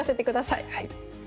はい。